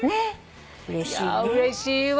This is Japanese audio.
いやぁうれしいわ。